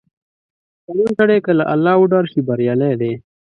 • شتمن سړی که له الله وډار شي، بریالی دی.